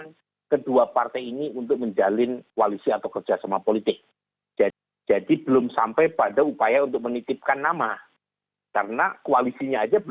jadi kedua partai ini tidak akan menjadi kemungkinan koalisi